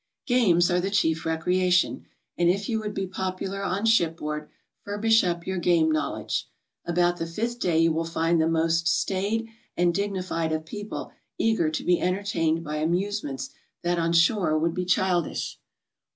Games are the chief recreation, and if you would be popular on shipboard, furbish up your game knowledge. About the fifth day you will find the most staid and dignified of people eager to be entertained by amusements that on shore would be childish.